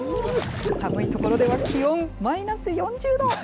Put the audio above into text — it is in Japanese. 寒いところでは気温マイナス４０度。